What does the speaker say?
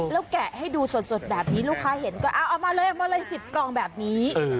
แล้วแกะให้ดูสดแบบนี้ลูกค้าเห็นก็เอามาเลยมาเลย๑๐กล่องแบบนี้